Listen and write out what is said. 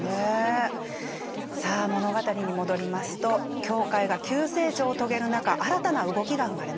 さあ物語に戻りますと教会が急成長を遂げる中新たな動きが生まれます。